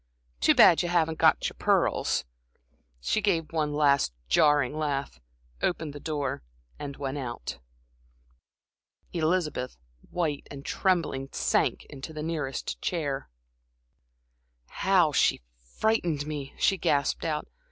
Too bad you haven't got your pearls." She gave one last jarring laugh, opened the door and went out. Elizabeth, white and trembling, sank into the nearest chair. "How she frightened me!" she gasped out.